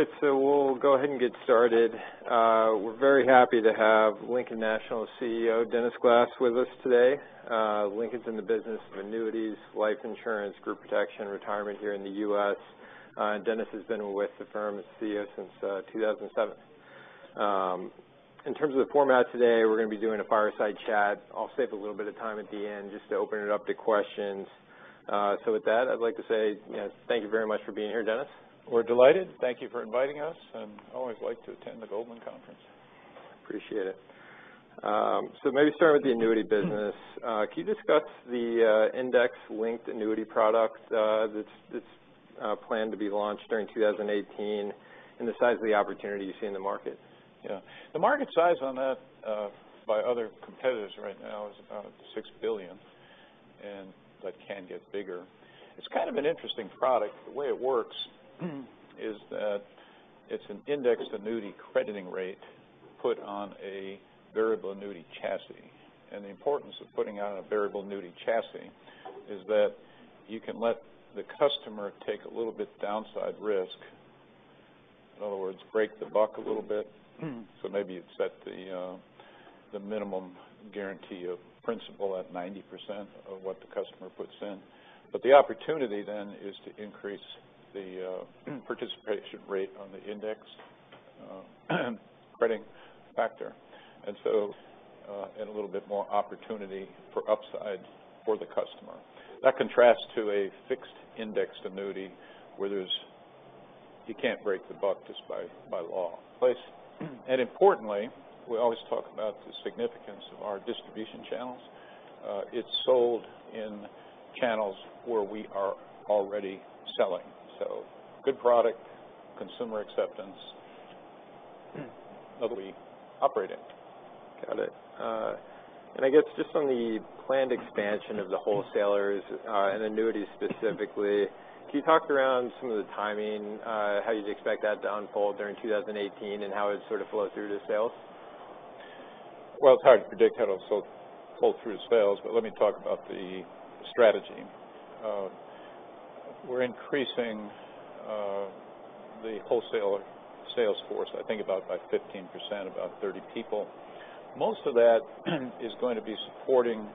All right. We'll go ahead and get started. We're very happy to have Lincoln National CEO, Dennis Glass, with us today. Lincoln's in the business of annuities, life insurance, group protection, retirement here in the U.S. Dennis has been with the firm as CEO since 2007. In terms of the format today, we're going to be doing a fireside chat. I'll save a little bit of time at the end just to open it up to questions. With that, I'd like to say thank you very much for being here, Dennis. We're delighted. Thank you for inviting us, and always like to attend the Goldman Conference. Appreciate it. Maybe start with the annuity business. Can you discuss the index-linked annuity product that's planned to be launched during 2018 and the size of the opportunity you see in the market? Yeah. The market size on that, by other competitors right now, is about $6 billion, and that can get bigger. It's kind of an interesting product. The way it works is that it's an indexed annuity crediting rate put on a variable annuity chassis. The importance of putting it on a variable annuity chassis is that you can let the customer take a little bit downside risk, in other words, break the buck a little bit. Maybe you'd set the minimum guarantee of principal at 90% of what the customer puts in. The opportunity then is to increase the participation rate on the indexed crediting factor. A little bit more opportunity for upside for the customer. That contrasts to a fixed indexed annuity, where you can't break the buck, just by law. Importantly, we always talk about the significance of our distribution channels. It's sold in channels where we are already selling. Good product, consumer acceptance of where we operate in. Got it. I guess just on the planned expansion of the wholesalers and annuities specifically, can you talk around some of the timing, how you'd expect that to unfold during 2018, and how it sort of flow through to sales? Well, it's hard to predict how it'll flow through to sales, but let me talk about the strategy. We're increasing the wholesaler sales force, I think about by 15%, about 30 people. Most of that is going to be supporting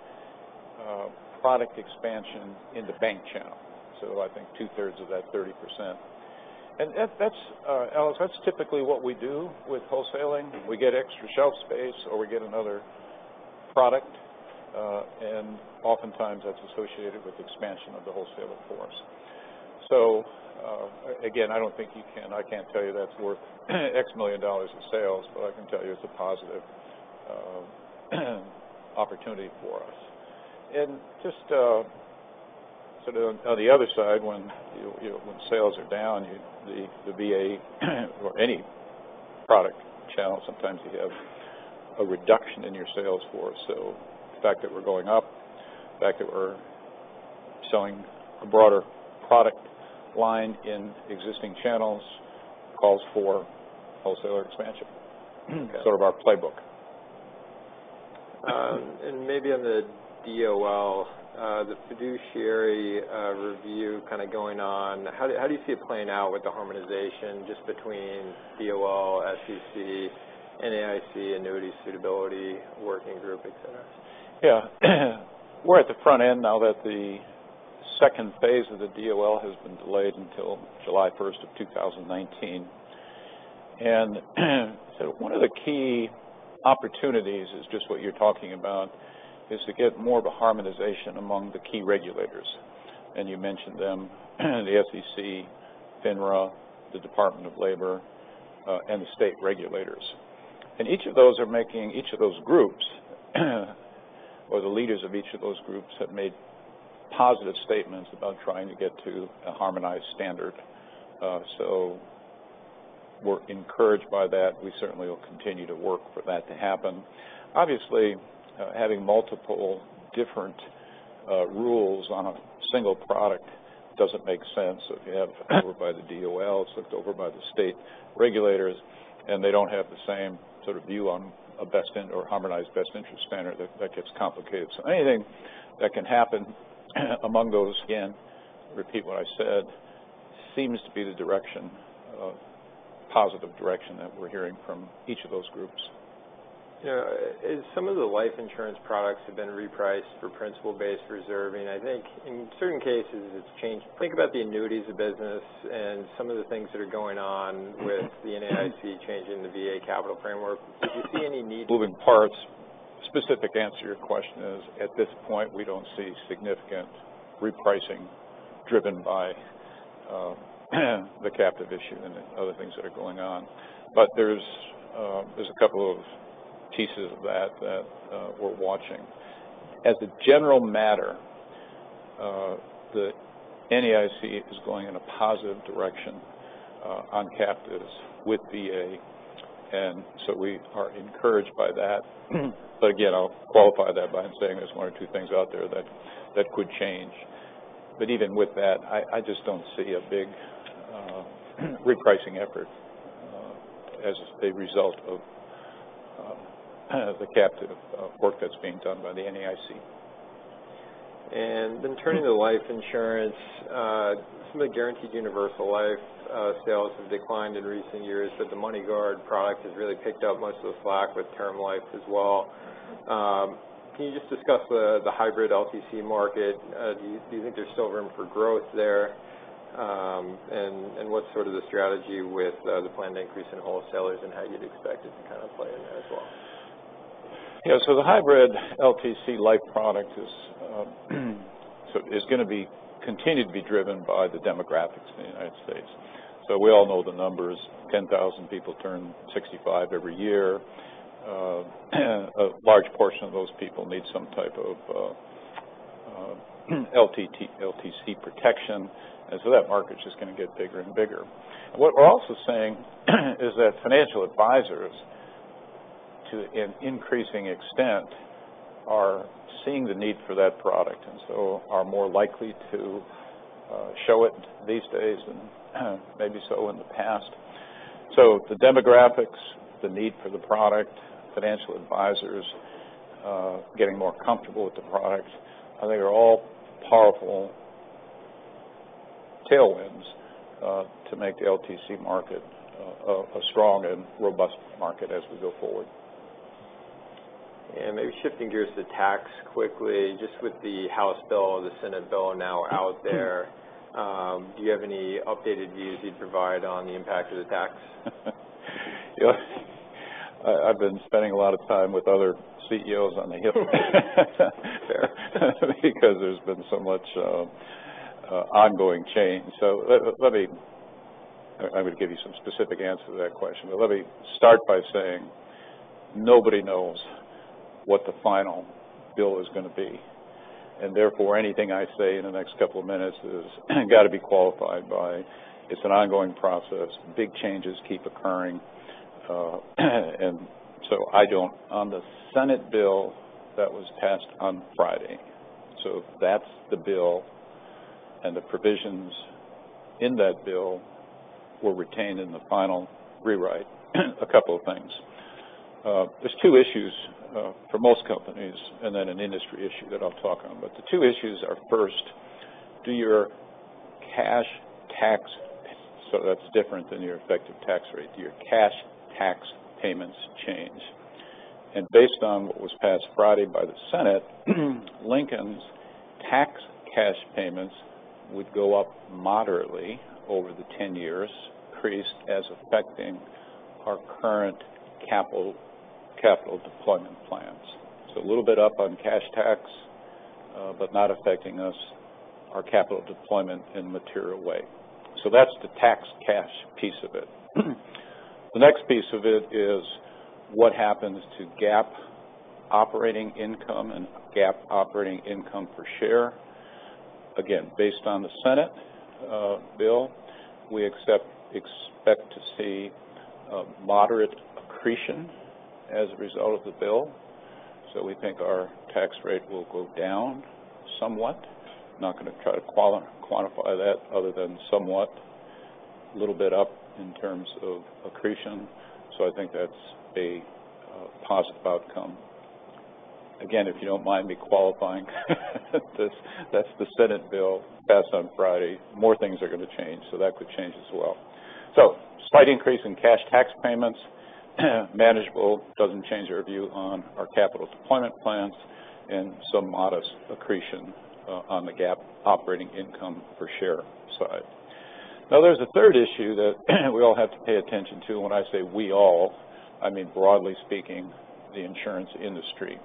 product expansion in the bank channel. I think two-thirds of that, 30%. That's, Elyse, that's typically what we do with wholesaling. We get extra shelf space or we get another product, and oftentimes that's associated with expansion of the wholesaler force. Again, I don't think I can tell you that's worth $X million in sales, but I can tell you it's a positive opportunity for us. Just sort of on the other side, when sales are down, the VA or any product channel, sometimes you have a reduction in your sales force. The fact that we're going up, the fact that we're selling a broader product line in existing channels calls for wholesaler expansion. Okay. Sort of our playbook. Maybe on the DOL, the fiduciary review kind of going on, how do you see it playing out with the harmonization just between DOL, SEC, NAIC, Annuity Suitability Working Group, et cetera? Yeah. We're at the front end now that the second phase of the DOL has been delayed until July 1st of 2019. One of the key opportunities is just what you're talking about, is to get more of a harmonization among the key regulators. You mentioned them, the SEC, FINRA, the Department of Labor, and the state regulators. Each of those groups, or the leaders of each of those groups have made positive statements about trying to get to a harmonized standard. We're encouraged by that. We certainly will continue to work for that to happen. Obviously, having multiple different rules on a single product doesn't make sense. If you have it looked over by the DOL, it's looked over by the state regulators, and they don't have the same sort of view on a harmonized best interest standard, that gets complicated. Anything that can happen among those, again, repeat what I said, seems to be the positive direction that we're hearing from each of those groups. Some of the life insurance products have been repriced for principle-based reserving. I think in certain cases it's changed. Think about the annuities of business and some of the things that are going on with the NAIC changing the VA capital framework. Do you see any need- Moving parts. Specific answer to your question is, at this point, we don't see significant repricing driven by the captive issue and the other things that are going on. There's a couple of pieces of that that we're watching. As a general matter, the NAIC is going in a positive direction on captives with VA. We are encouraged by that. Again, I'll qualify that by saying there's one or two things out there that could change. Even with that, I just don't see a big repricing effort as a result of the captive work that's being done by the NAIC. Turning to life insurance, some of the guaranteed universal life sales have declined in recent years, the MoneyGuard product has really picked up much of the slack with term life as well. Can you just discuss the hybrid LTC market? Do you think there's still room for growth there? What's sort of the strategy with the planned increase in wholesalers, and how you'd expect it to kind of play in there as well? Yeah. The hybrid LTC life product is going to continue to be driven by the demographics in the United States. We all know the numbers, 10,000 people turn 65 every year. A large portion of those people need some type of LTC protection. That market's just going to get bigger and bigger. What we're also seeing is that financial advisors, to an increasing extent, are seeing the need for that product. They are more likely to show it these days than maybe so in the past. The demographics, the need for the product, financial advisors getting more comfortable with the product, I think they are all powerful tailwinds to make the LTC market a strong and robust market as we go forward. Maybe shifting gears to tax quickly, just with the House bill, the Senate bill now out there, do you have any updated views you'd provide on the impact of the tax? I've been spending a lot of time with other CEOs on the Hill there because there's been so much ongoing change. Let me start by saying nobody knows what the final bill is going to be. Therefore, anything I say in the next couple of minutes has got to be qualified by it's an ongoing process. Big changes keep occurring. On the Senate bill that was passed on Friday, if that's the bill and the provisions in that bill were retained in the final rewrite. There's two issues for most companies and then an industry issue that I'll talk on. The two issues are first, do your cash tax-- so that's different than your effective tax rate. Do your cash tax payments change? Based on what was passed Friday by the Senate, Lincoln's tax cash payments would go up moderately over the 10 years, creased as affecting our current capital deployment plans. A little bit up on cash tax, but not affecting our capital deployment in a material way. That's the tax cash piece of it. The next piece of it is what happens to GAAP operating income and GAAP operating income per share. Again, based on the Senate bill, we expect to see a moderate accretion as a result of the bill. We think our tax rate will go down somewhat. Not going to try to quantify that other than somewhat. A little bit up in terms of accretion. I think that's a positive outcome. Again, if you don't mind me qualifying this, that's the Senate bill passed on Friday. More things are going to change, that could change as well. Slight increase in cash tax payments, manageable, doesn't change our view on our capital deployment plans and some modest accretion on the GAAP operating income per share side. There's a third issue that we all have to pay attention to. When I say we all, I mean, broadly speaking, the insurance industry.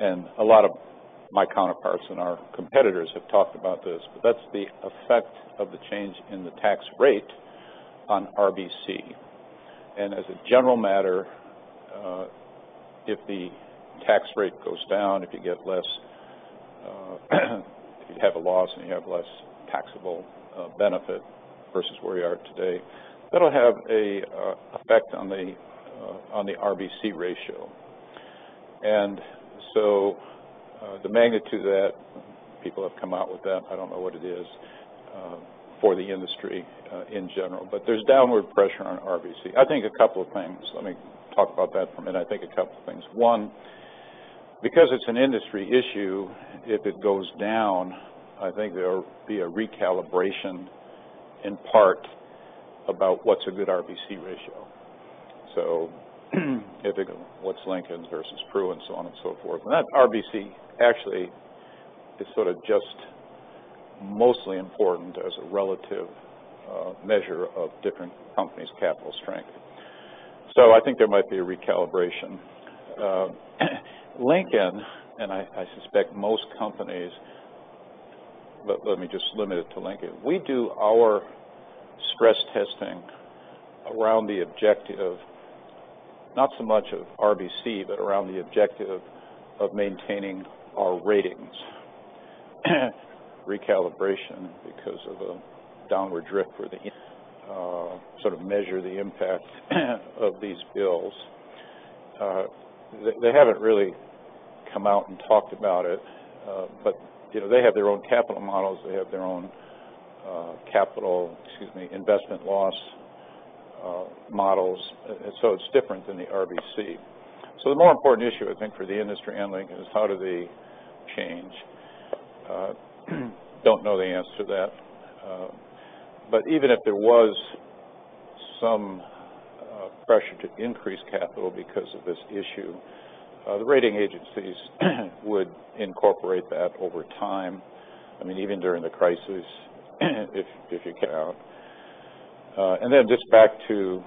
A lot of my counterparts and our competitors have talked about this, but that's the effect of the change in the tax rate on RBC. As a general matter, if the tax rate goes down, if you have a loss and you have less taxable benefit versus where you are today, that'll have a effect on the RBC ratio. The magnitude that people have come out with that, I don't know what it is for the industry in general, but there's downward pressure on RBC. I think a couple of things. Let me talk about that for a minute. I think a couple things. One, because it's an industry issue, if it goes down, I think there will be a recalibration in part about what's a good RBC ratio. What's Lincoln's versus Pru and so on and so forth. That RBC actually is sort of just mostly important as a relative measure of different companies' capital strength. I think there might be a recalibration. Lincoln, and I suspect most companies, but let me just limit it to Lincoln. We do our stress testing around the objective, not so much of RBC, but around the objective of maintaining our ratings. Recalibration because of a downward drift where they sort of measure the impact of these bills. They haven't really come out and talked about it. They have their own capital models. They have their own capital, excuse me, investment loss models. It's different than the RBC. The more important issue, I think, for the industry handling is how do they change? Don't know the answer to that. Even if there was some pressure to increase capital because of this issue, the rating agencies would incorporate that over time. Even during the crisis, if you count. Then just back to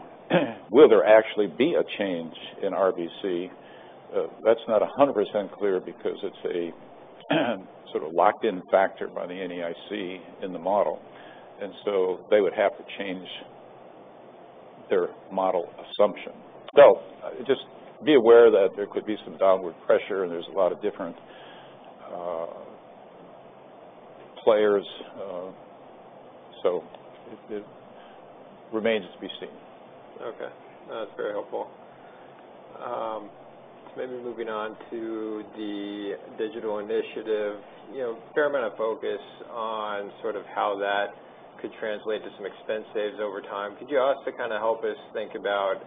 will there actually be a change in RBC? That's not 100% clear because it's a sort of locked-in factor by the NAIC in the model. They would have to change their model assumption. Just be aware that there could be some downward pressure, and there's a lot of different players. It remains to be seen. Okay. That's very helpful. Maybe moving on to the digital initiative. A fair amount of focus on sort of how that could translate to some expense saves over time. Could you also kind of help us think about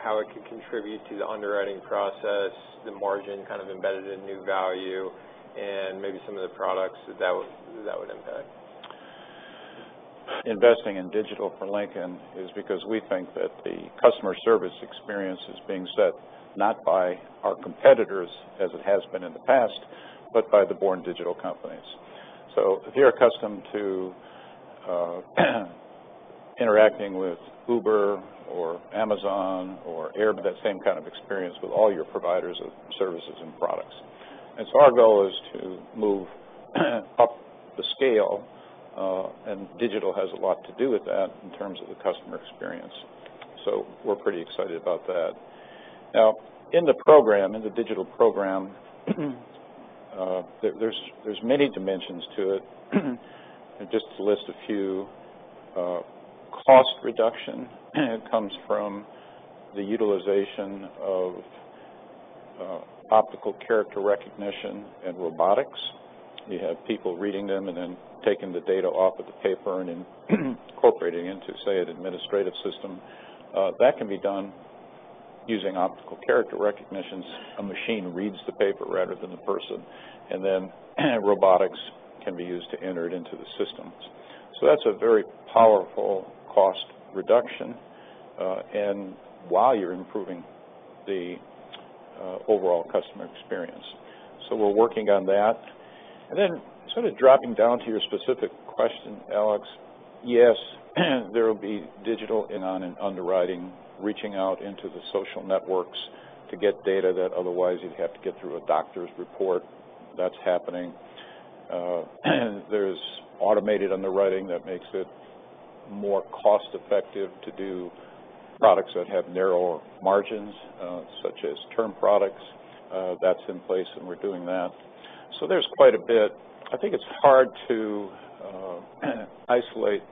how it could contribute to the underwriting process, the margin kind of embedded in new value, and maybe some of the products that that would impact? Investing in digital for Lincoln is because we think that the customer service experience is being set not by our competitors as it has been in the past, but by the born digital companies. If you're accustomed to interacting with Uber or Amazon, that same kind of experience with all your providers of services and products. Our goal is to move up the scale, and digital has a lot to do with that in terms of the customer experience. We're pretty excited about that. In the digital program, there's many dimensions to it. Just to list a few. Cost reduction comes from the utilization of optical character recognition and robotics. We have people reading them and then taking the data off of the paper and incorporating it into, say, an administrative system. That can be done using optical character recognition. A machine reads the paper rather than the person. Robotics can be used to enter it into the systems. That's a very powerful cost reduction, and while you're improving the overall customer experience. We're working on that. Dropping down to your specific question, Alex, yes, there will be digital in on and underwriting, reaching out into the social networks to get data that otherwise you'd have to get through a doctor's report. That's happening. There's automated underwriting that makes it more cost-effective to do products that have narrower margins, such as term products. That's in place, and we're doing that. There's quite a bit. I think it's hard to isolate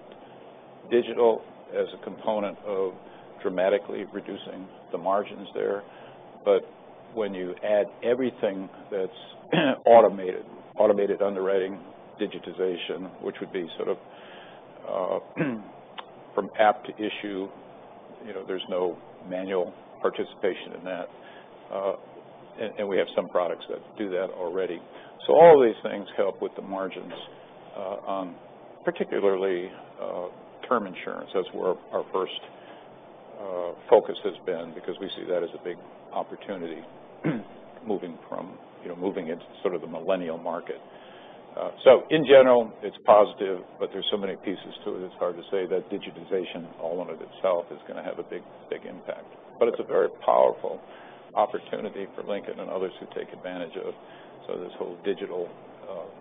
digital as a component of dramatically reducing the margins there. When you add everything that's automated underwriting, digitization, which would be sort of from app to issue, there's no manual participation in that. We have some products that do that already. All of these things help with the margins on particularly term insurance. That's where our first focus has been because we see that as a big opportunity moving into sort of the millennial market. In general, it's positive, but there's so many pieces to it's hard to say that digitization all and of itself is going to have a big impact. It's a very powerful opportunity for Lincoln and others to take advantage of this whole digital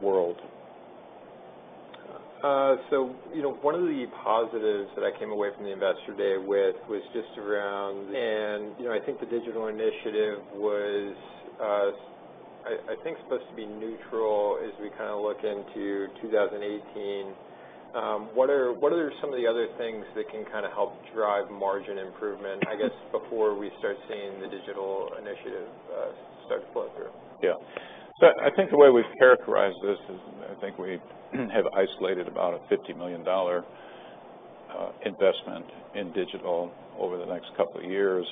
world. One of the positives that I came away from the Investor Day with was I think the digital initiative was, I think, supposed to be neutral as we kind of look into 2018. What are some of the other things that can kind of help drive margin improvement, I guess, before we start seeing the digital initiative start to flow through? Yeah. I think the way we've characterized this is I think we have isolated about a $50 million investment in digital over the next couple of years.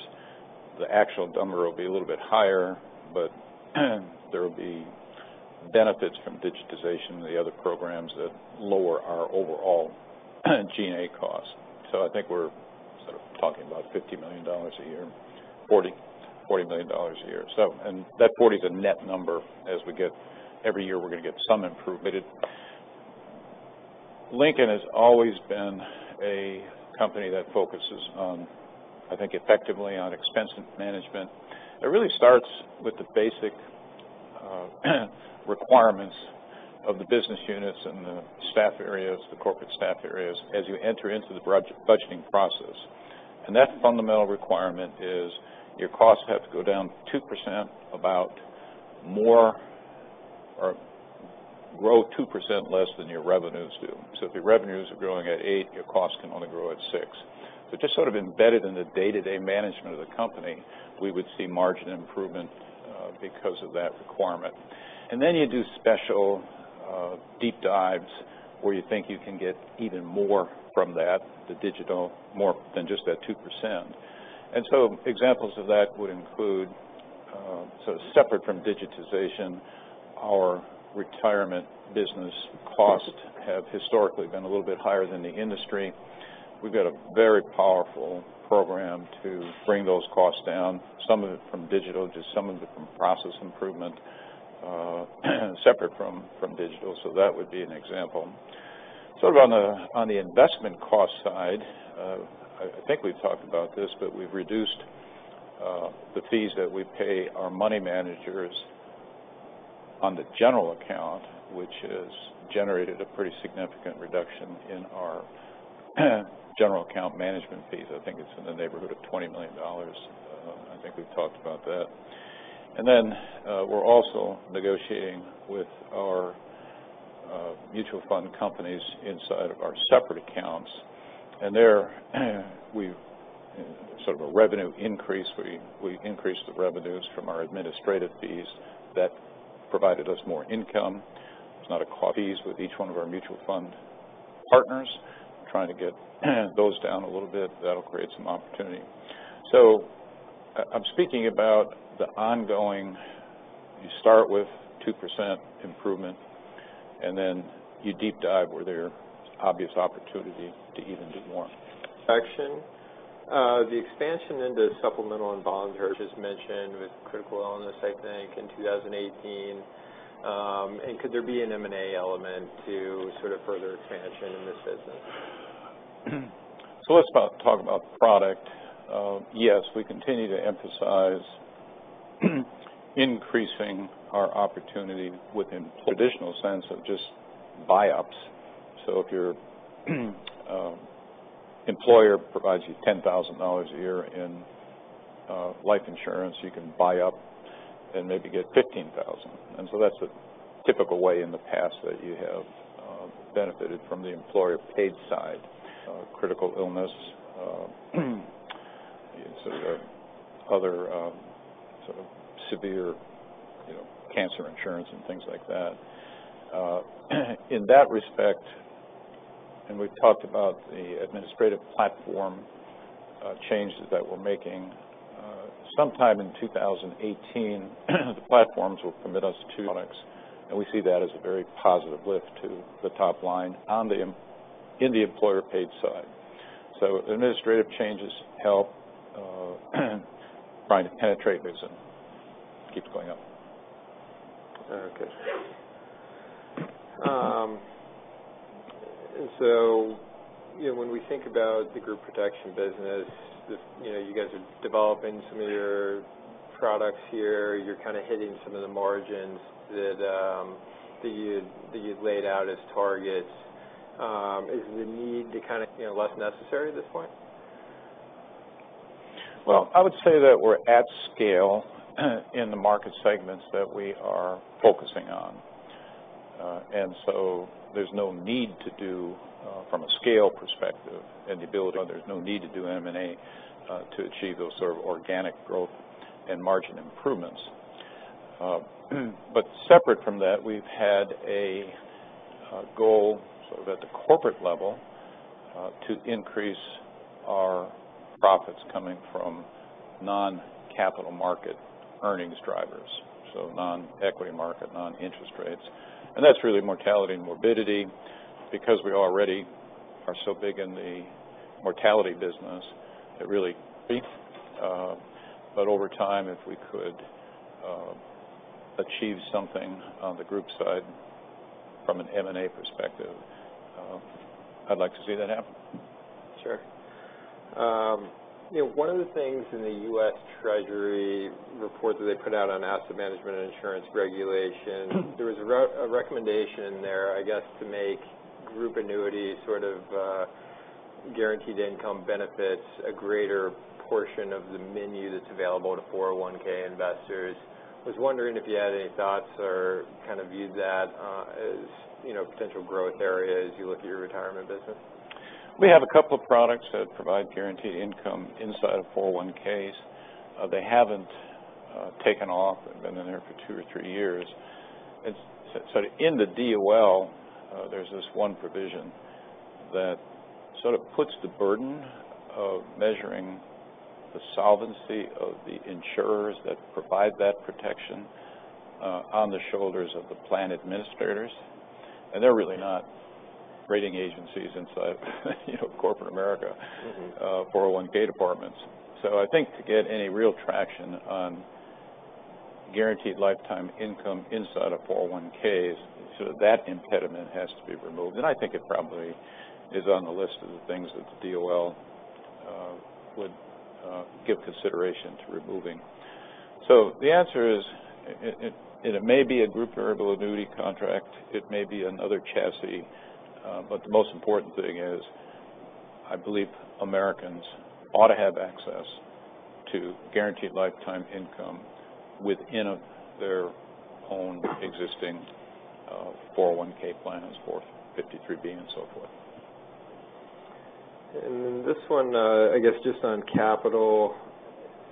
The actual number will be a little bit higher, but there will be benefits from digitization and the other programs that lower our overall G&A cost. I think we're sort of talking about $50 million a year, $40 million a year. That 40 is a net number as every year we're going to get some improvement. Lincoln has always been a company that focuses on, I think, effectively on expense management. It really starts with the basic requirements of the business units and the staff areas, the corporate staff areas, as you enter into the budgeting process. That fundamental requirement is your costs have to go down 2% about more or grow 2% less than your revenues do. If your revenues are growing at eight, your costs can only grow at six. Just sort of embedded in the day-to-day management of the company, we would see margin improvement because of that requirement. Then you do special deep dives where you think you can get even more from that, the digital, more than just that 2%. Examples of that would include, separate from digitization, our retirement business costs have historically been a little bit higher than the industry. We've got a very powerful program to bring those costs down, some of it from digital, just some of it from process improvement, separate from digital. That would be an example. On the investment cost side, I think we've talked about this, we've reduced the fees that we pay our money managers on the general account, which has generated a pretty significant reduction in our general account management fees. I think it's in the neighborhood of $20 million. I think we've talked about that. Then we're also negotiating with our mutual fund companies inside of our separate accounts. There, we increased the revenues from our administrative fees that provided us more income. It's not a fees with each one of our mutual fund partners trying to get those down a little bit. That'll create some opportunity. I'm speaking about the ongoing, you start with 2% improvement, then you deep dive where there are obvious opportunity to even do more. Section. The expansion into supplemental and voluntary, just mentioned with critical illness, I think, in 2018. Could there be an M&A element to further expansion in this business? Let's talk about the product. Yes, we continue to emphasize increasing our opportunity within the traditional sense of just buy-ups. If your employer provides you $10,000 a year in life insurance, you can buy up and maybe get $15,000. That's a typical way in the past that you have benefited from the employer-paid side, critical illness, other sort of severe cancer insurance and things like that. In that respect, we've talked about the administrative platform changes that we're making, sometime in 2018, the platforms will permit us to products, we see that as a very positive lift to the top line in the employer-paid side. Administrative changes help try to penetrate this and keeps going up. Okay. When we think about the group protection business, you guys are developing some of your products here. You're kind of hitting some of the margins that you had laid out as targets. Is the need less necessary at this point? Well, I would say that we're at scale in the market segments that we are focusing on. There's no need to do, from a scale perspective and the ability, there's no need to do M&A to achieve those sort of organic growth and margin improvements. Separate from that, we've had a goal at the corporate level to increase our profits coming from non-capital market earnings drivers, non-equity market, non-interest rates. That's really mortality and morbidity, because we already are so big in the mortality business. Over time, if we could achieve something on the group side from an M&A perspective, I'd like to see that happen. Sure. One of the things in the U.S. Treasury report that they put out on asset management and insurance regulation, there was a recommendation in there, I guess, to make group annuity sort of guaranteed income benefits a greater portion of the menu that's available to 401 investors. I was wondering if you had any thoughts or kind of view that as potential growth area as you look at your retirement business. We have a couple of products that provide guaranteed income inside of 401s. They haven't taken off. They've been in there for two or three years. In the DOL, there's this one provision that sort of puts the burden of measuring the solvency of the insurers that provide that protection on the shoulders of the plan administrators. They're really not rating agencies inside corporate America. 401 departments. I think to get any real traction on guaranteed lifetime income inside of 401s, that impediment has to be removed. I think it probably is on the list of the things that the DOL would give consideration to removing. The answer is, it may be a group variable annuity contract, it may be another chassis, but the most important thing is, I believe Americans ought to have access to guaranteed lifetime income within their own existing 401 plans, 403(b), and so forth. This one, I guess just on capital.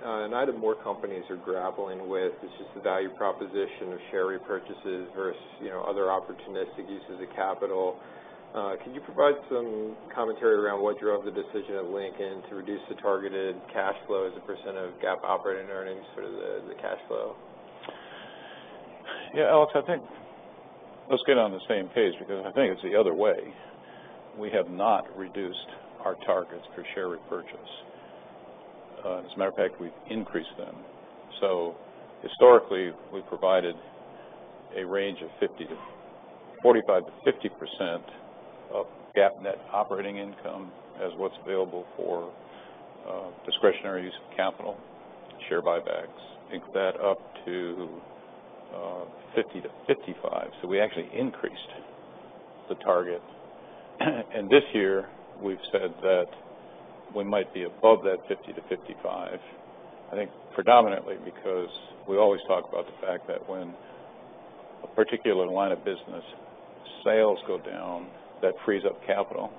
An item more companies are grappling with is just the value proposition of share repurchases versus other opportunistic uses of capital. Can you provide some commentary around what drove the decision at Lincoln to reduce the targeted cash flow as a percent of GAAP operating earnings for the cash flow? Yeah, Alex, I think let's get on the same page because I think it's the other way. We have not reduced our targets for share repurchase. As a matter of fact, we've increased them. Historically, we provided a range of 45%-50% of GAAP net operating income as what's available for discretionary use of capital, share buybacks. Increased that up to 50%-55%. We actually increased the target. This year we've said that we might be above that 50%-55%, I think predominantly because we always talk about the fact that when a particular line of business sales go down, that frees up capital.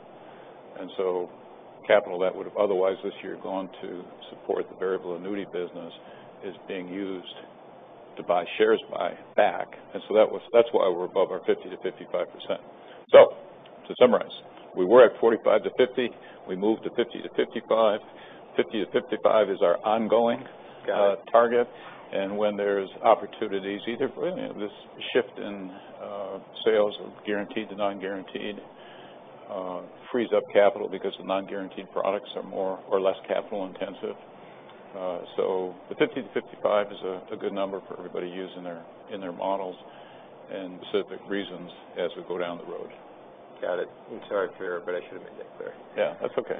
Capital that would have otherwise this year gone to support the variable annuity business is being used to buy shares back. That's why we're above our 50%-55%. To summarize, we were at 45%-50%, we moved to 50%-55%, 50%-55% is our ongoing target. Got it. When there's opportunities, either this shift in sales of guaranteed to non-guaranteed frees up capital because the non-guaranteed products are less capital-intensive. The 50%-55% is a good number for everybody to use in their models and specific reasons as we go down the road. Got it. I'm sorry. I should have made that clear. Yeah. That's okay.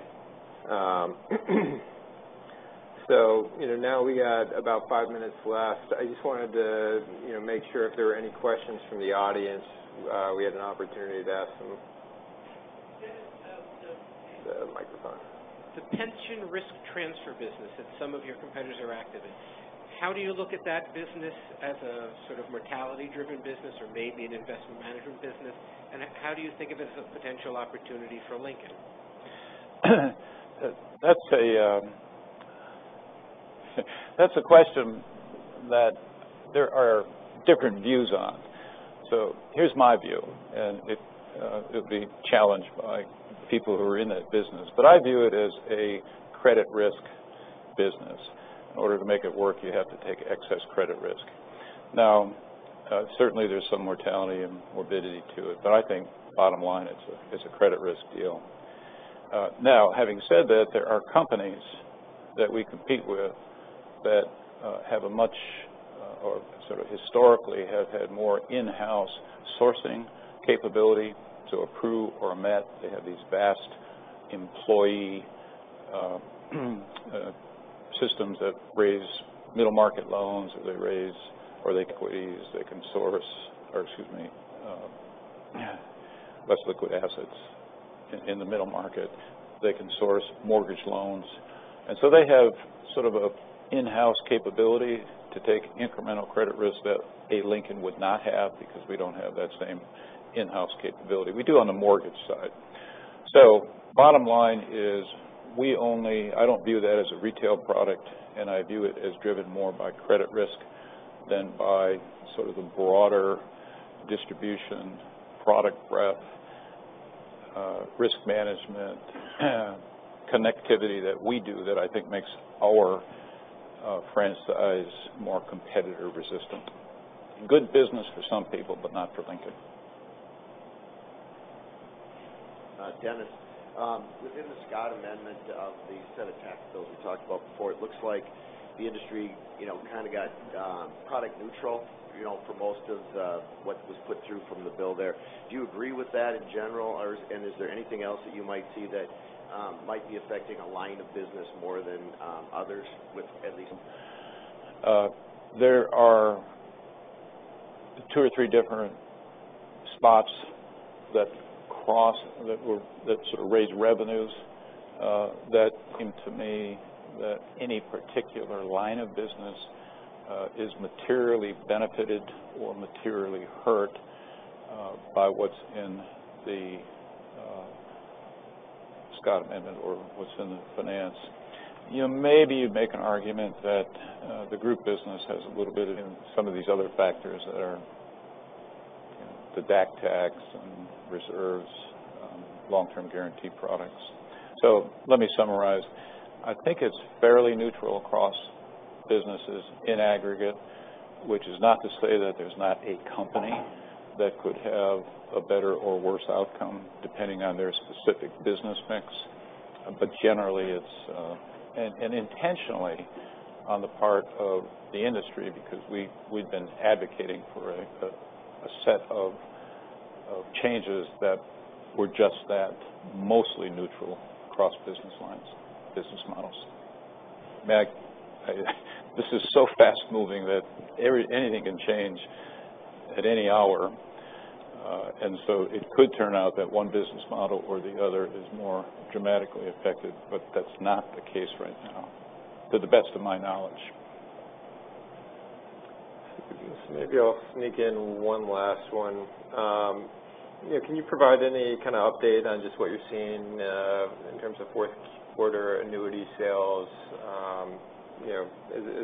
Now we got about five minutes left. I just wanted to make sure if there were any questions from the audience we had an opportunity to ask them. Dennis. The microphone. The pension risk transfer business that some of your competitors are active in. How do you look at that business as a sort of mortality-driven business or maybe an investment management business? How do you think of it as a potential opportunity for Lincoln? That's a question that there are different views on. Here's my view, it'll be challenged by people who are in that business. I view it as a credit risk business. In order to make it work, you have to take excess credit risk. Certainly there's some mortality and morbidity to it, but I think bottom line, it's a credit risk deal. Having said that, there are companies that we compete with that have a much, or sort of historically have had more in-house sourcing capability to approve or met. They have these vast employee systems that raise middle market loans, or they raise, or they can source, or excuse me, less liquid assets in the middle market. They can source mortgage loans. They have sort of an in-house capability to take incremental credit risk that a Lincoln would not have because we don't have that same in-house capability. We do on the mortgage side. Bottom line is, I don't view that as a retail product, I view it as driven more by credit risk than by sort of the broader distribution, product breadth, risk management, connectivity that we do that I think makes our franchise more competitor resistant. Good business for some people, but not for Lincoln. Dennis, within the Scott Amendment of the Senate tax bill we talked about before, it looks like the industry kind of got product neutral for most of what was put through from the bill there. Do you agree with that in general? Is there anything else that you might see that might be affecting a line of business more than others with at least There are two or three different spots that sort of raise revenues that seem to me that any particular line of business is materially benefited or materially hurt by what's in the Scott Amendment or what's in the Finance. Maybe you'd make an argument that the group business has a little bit in some of these other factors that are the DAC tax and reserves, long-term guarantee products. Let me summarize. I think it's fairly neutral across businesses in aggregate, which is not to say that there's not a company that could have a better or worse outcome depending on their specific business mix. Generally it's and intentionally on the part of the industry because we've been advocating for a set of changes that were just that, mostly neutral across business lines, business models. This is so fast-moving that anything can change at any hour. It could turn out that one business model or the other is more dramatically affected, that's not the case right now to the best of my knowledge. Maybe I'll sneak in one last one. Can you provide any kind of update on just what you're seeing in terms of fourth quarter annuity sales as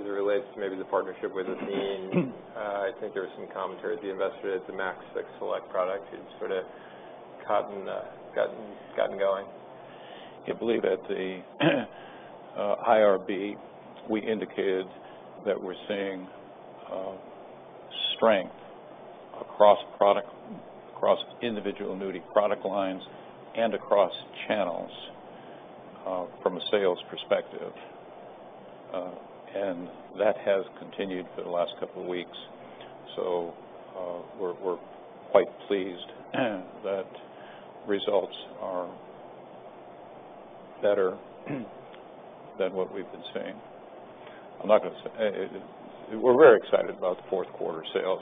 it relates to maybe the partnership with Athene? I think there was some commentary at the investor day, the Max 6 Select product you'd sort of gotten going. I believe at the IRD, we indicated that we're seeing strength across individual annuity product lines and across channels from a sales perspective. That has continued for the last couple of weeks. We're quite pleased that results are better than what we've been seeing. We're very excited about the fourth quarter sales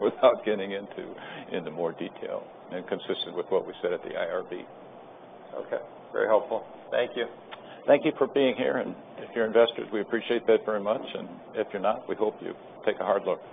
without getting into more detail and consistent with what we said at the IRD. Okay. Very helpful. Thank you. Thank you for being here, and if you're investors, we appreciate that very much. If you're not, we hope you take a hard look.